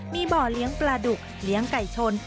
มีบ่อเลี้ยงปลาดุกเลี้ยงไก่ชน